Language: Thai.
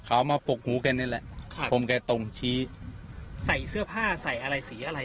เขามาปกหูแกนี่แหละครับผมแกตรงชี้ใส่เสื้อผ้าใส่อะไรสีอะไร